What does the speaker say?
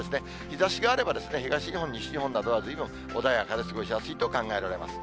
日ざしがあれば、東日本、西日本などはずいぶん穏やかで過ごしやすいと考えられます。